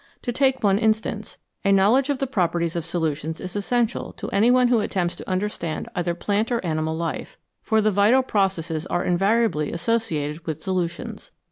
To take one instance : a knowledge of the properties of solutions is essential to any one who attempts to understand either plant or animal life, for the vital processes are invariably associated with solutions.